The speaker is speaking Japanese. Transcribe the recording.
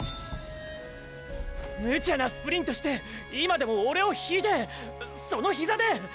ムチャなスプリントして今でもオレを引いてそのヒザで！